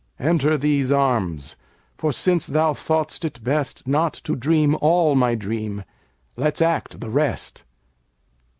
Enter these arms, for since thou thought'st it bestNot to dream all my dream, let's act the rest.